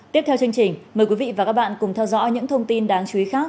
tiếp theo chương trình mời quý vị và các bạn cùng theo dõi những thông tin đáng chú ý khác